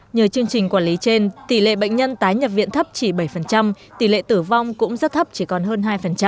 nhờ chương trình quản lý trên tỷ lệ bệnh nhân tái nhập viện thấp chỉ bảy tỷ lệ tử vong cũng rất thấp chỉ còn hơn hai